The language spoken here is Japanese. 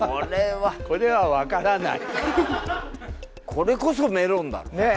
これこそメロンだろ。